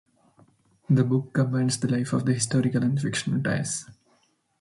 The book combines the life of the historical and a fictional Tais.